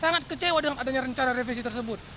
sangat kecewa dengan adanya rencana revisi tersebut